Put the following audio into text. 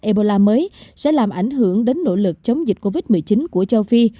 ebola mới sẽ làm ảnh hưởng đến nỗ lực chống dịch covid một mươi chín của châu phi